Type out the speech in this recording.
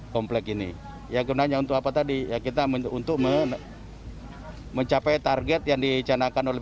komplek ini ya gunanya untuk apa tadi ya kita untuk mencapai target yang dicanakan oleh